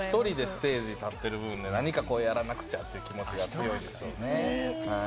１人でステージ立ってる分、何かやらなくちゃって気持ちが強いんですよね。